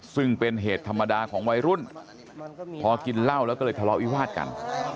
ซึ่งเป็นเหตุธรรมดาของวัยรุ่นพอกินเหล้าแล้วก็เลยทะเลาะวิวาดกัน